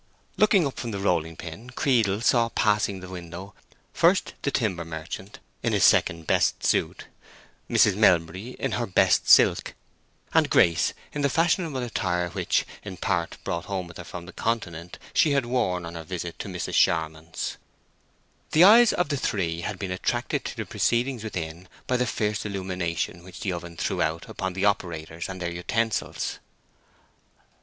Looking up from the rolling pin, Creedle saw passing the window first the timber merchant, in his second best suit, Mrs. Melbury in her best silk, and Grace in the fashionable attire which, in part brought home with her from the Continent, she had worn on her visit to Mrs. Charmond's. The eyes of the three had been attracted to the proceedings within by the fierce illumination which the oven threw out upon the operators and their utensils.